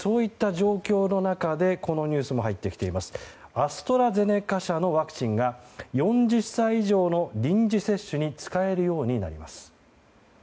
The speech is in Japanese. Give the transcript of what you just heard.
アストラゼネカ社のワクチンが４０歳以上の臨時接種に使えるようになります。